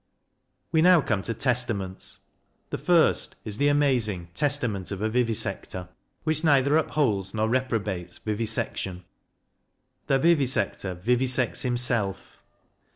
We now come to the " Testaments." The first is the amazing "Testament of a Vivisector," which JOHN DAVIDSON: REALIST 201 neither upholds nor reprobates vivisection. The vivi sector vivisects himself.